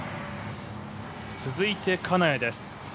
続いて金谷です。